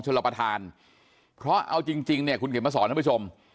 ชลปทานเพราะเอาจริงจริงเนี่ยคุณเขตมาสอนนะผู้ชม